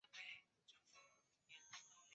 倒车镜头一般会连结并显示在车头显示器上。